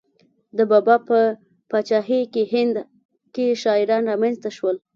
د بابا په پاچاهۍ کې هند کې شاعران را منځته شول.